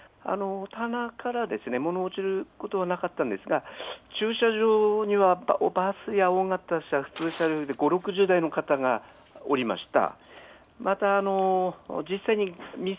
棚から物が落ちることはなかったのですが、駐車場にはバスや大型車、普通車両５０、６０台の方、おりました。